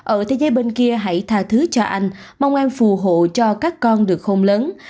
ở thế giới bên kia hãy thà thứ cho anh mong an phù hộ cho các con được không lớn